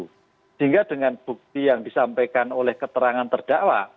sehingga dengan bukti yang disampaikan oleh keterangan terdakwa